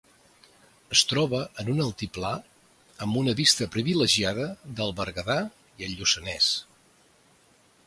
Es troba en un altiplà amb una vista privilegiada del Berguedà i el Lluçanès.